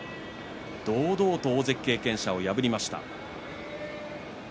堂々と大関経験者を破りました金峰山。